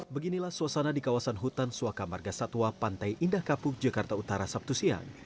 beginilah suasana di kawasan hutan suaka marga satwa pantai indah kapuk jakarta utara sabtu siang